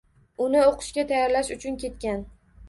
Uni o‘qishga tayyorlash uchun ketgan.